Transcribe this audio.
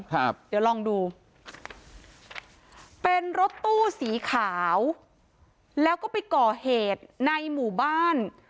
ครับเดี๋ยวลองดูเป็นรถตู้สีขาวแล้วก็ไปก่อเหตุในหมู่บ้าน